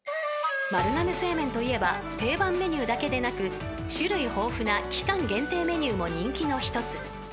［丸亀製麺といえば定番メニューだけでなく種類豊富な期間限定メニューも人気の一つ］